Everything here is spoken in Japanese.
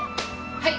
はい。